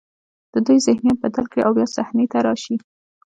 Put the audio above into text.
د دوی ذهنیت بدل کړي او بیا صحنې ته راشي.